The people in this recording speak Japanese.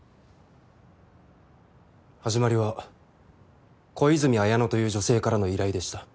始まりは小泉文乃という女性からの依頼でした。